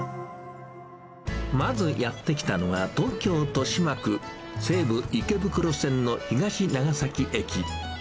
まずやって来たのは、東京・豊島区、西武池袋線の東長崎駅。